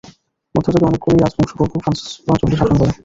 মধ্যযুগে অনেকগুলি রাজবংশ পরপর ফ্রান্স অঞ্চলটি শাসন করে।